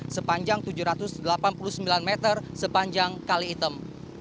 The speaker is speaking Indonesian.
sepanjang tujuh ratus delapan puluh sembilan meter sepanjang kali item